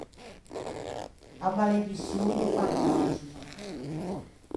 A malediçion do fantaxima.